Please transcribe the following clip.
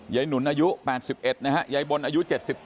หนุนอายุ๘๑นะฮะยายบนอายุ๗๘